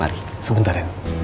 eh sebentar ren